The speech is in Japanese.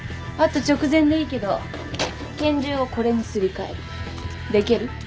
あと直前でいいけど拳銃をこれにすり替える。